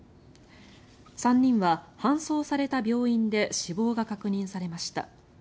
３人は搬送された病院で死亡が確認されました。